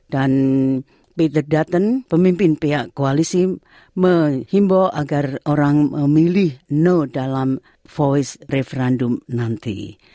dan peter dutton pemimpin pihak koalisi menghimbau agar orang memilih no dalam voice referendum nanti